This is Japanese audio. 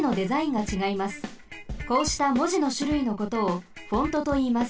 こうしたもじのしゅるいのことをフォントといいます。